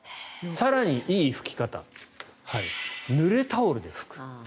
更にいい拭き方ぬれタオルで拭く。